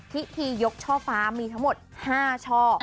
พิธียกช่อฟ้ามีทั้งหมด๕ช่อ